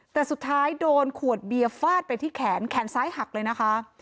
แต่สุดท้ายโดนขวดเบียร์ฟาดไปที่แขนแขนซ้ายหักเลยนะคะ